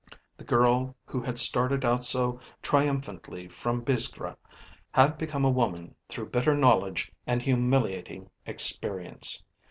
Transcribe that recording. The girl who had started out so triumphantly from Biskra had become a woman through bitter knowledge and humiliating experience.